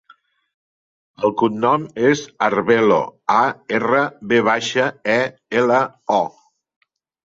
El cognom és Arvelo: a, erra, ve baixa, e, ela, o.